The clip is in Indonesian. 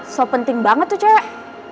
so penting banget tuh cak